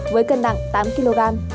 với cân nặng tám kg